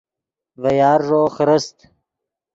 ڤے یارݱو خرست